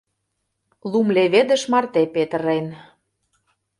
Лум леведыш марте петырен.